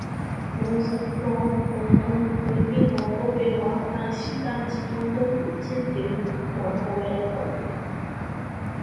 老實講冇噉佢啲賀圖嘅話，大時大節我都唔知點問候人好